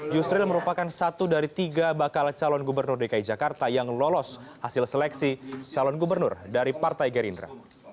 yusril merupakan satu dari tiga bakal calon gubernur dki jakarta yang lolos hasil seleksi calon gubernur dari partai gerindra